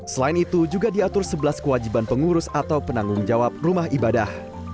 selain itu juga diatur sebelas kewajiban pengurus atau penanggung jawab rumah ibadah